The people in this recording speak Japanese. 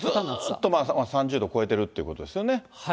ずっと３０度を超えてるということですよね。